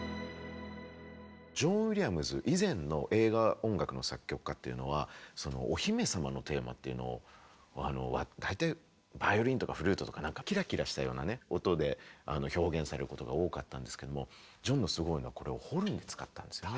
ジョン・ウィリアムズ以前の映画音楽の作曲家っていうのはお姫様のテーマっていうのを大体バイオリンとかフルートとかなんかキラキラしたようなね音で表現されることが多かったんですけどもジョンのすごいのはこれをホルン使ったんですよね。